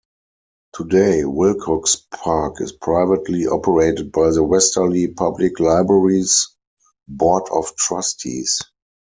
Today, Wilcox Park is privately operated by the Westerly Public Library's Board of Trustees.